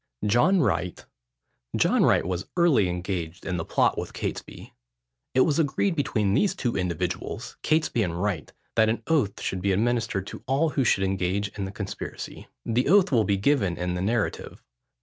JOHN WRIGHT. John Wright was early engaged in the plot with Catesby. It was agreed between these two individuals, Catesby and Wright, that an oath should be administered to all who should engage in the conspiracy. The oath will be given in the narrative.